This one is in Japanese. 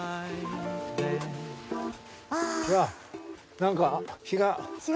何か日が。